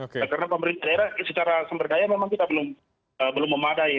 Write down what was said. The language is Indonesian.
karena pemerintah daerah secara sumber daya memang kita belum memadai